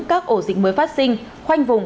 các ổ dịch mới phát sinh khoanh vùng